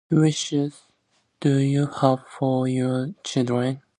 Wishes do you have for your children?